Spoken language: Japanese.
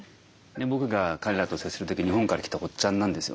僕が彼らと接する時「日本から来たおっちゃん」なんですよね。